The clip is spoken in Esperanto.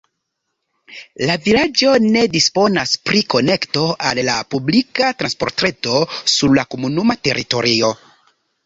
La vilaĝo ne disponas pri konekto al la publika transportreto sur la komunuma teritorio.